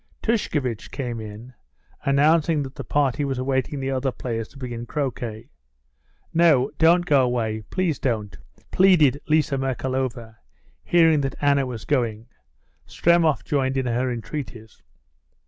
Tushkevitch came in, announcing that the party were awaiting the other players to begin croquet. "No, don't go away, please don't," pleaded Liza Merkalova, hearing that Anna was going. Stremov joined in her entreaties.